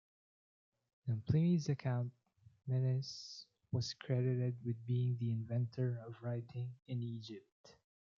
In Pliny's account, Menes was credited with being the inventor of writing in Egypt.